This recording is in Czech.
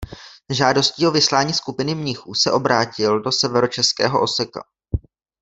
S žádostí o vyslání skupiny mnichů se obrátil do severočeského Oseka.